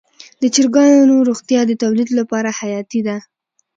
د چرګانو روغتیا د تولید لپاره حیاتي ده.